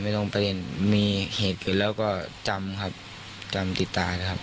ไม่ต้องไปเล่นมีเหตุเกิดแล้วก็จมครับจมติดตาครับ